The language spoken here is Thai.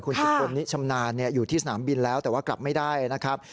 คุณสุพลนิชำนาญอยู่ที่สนามบินแล้วแต่ว่ากลับไม่ได้นะครับ